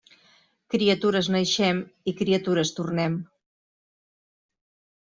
Criatures naixem i criatures tornem.